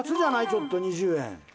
ちょっと２０円。